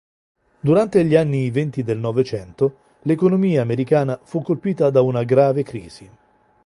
Durante gli anni Venti del Novecento, l'economia americana fu colpita da una grave crisi